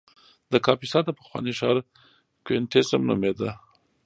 د کاپیسا د پخواني ښار کوینټیسیم نومېده